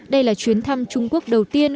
đây là chuyến thăm trung quốc đầu tiên